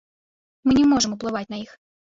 І мы не можам уплываць на іх.